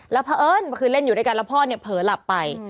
แล้วพระเอิ้นคือเล่นอยู่ด้วยกันแล้วพ่อเนี่ยเผลอหลับไป